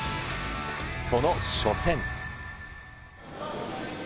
その初戦。